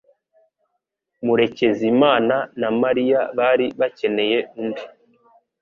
Murekezimana na Mariya bari bakeneye undi.